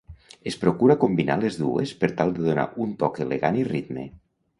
Es procura combinar les dues per tal de donar un toc elegant i ritme.